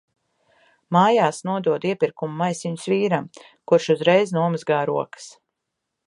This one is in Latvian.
Mājās nododu iepirkumu maisiņus vīram, kurš uzreiz nomazgā rokas.